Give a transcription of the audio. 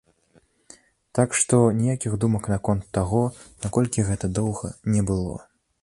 Так што, ніякіх думак наконт таго, наколькі гэта доўга, не было.